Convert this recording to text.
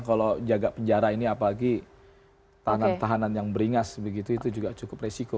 kalau jaga penjara ini apalagi tangan tahanan yang beringas begitu itu juga cukup resiko